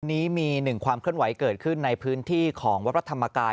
วันนี้มีหนึ่งความเคลื่อนไหวเกิดขึ้นในพื้นที่ของวัดพระธรรมกาย